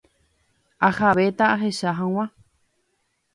Ahavéta ahecha hag̃ua.